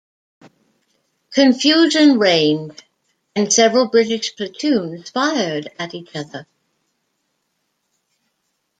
Confusion reigned, and several British platoons fired at each other.